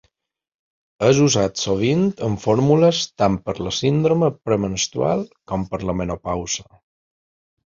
És usat sovint en fórmules tant per la síndrome premenstrual com per la menopausa.